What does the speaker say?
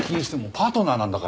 パートナーなんだから。